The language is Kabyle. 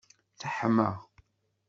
Teḥma.